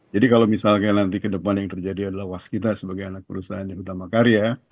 jadi kalau misalnya nanti ke depan yang terjadi adalah waskita sebagai anak perusahaan yang utama karya